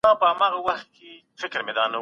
عزت وکړئ چې عزت مو وشي.